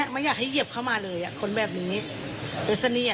ไม่อยากให้เหยียบเขามาเลยอ่ะคนแบบนี้เป็นเสนียกน่ะ